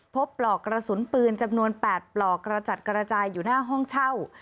ปลอกกระสุนปืนจำนวน๘ปลอกกระจัดกระจายอยู่หน้าห้องเช่า